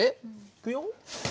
いくよ。